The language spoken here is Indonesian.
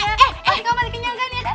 masih masih kenyang kan ya